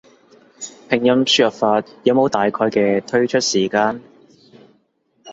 拼音輸入法有冇大概嘅推出時間？